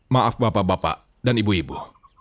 maaf bapak bapak dan ibu ibu